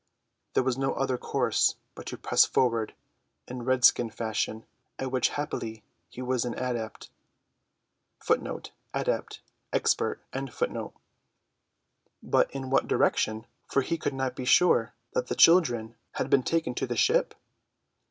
There was no other course but to press forward in redskin fashion, at which happily he was an adept. But in what direction, for he could not be sure that the children had been taken to the ship?